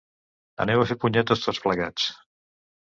Aneu a fer punyetes tots plegats.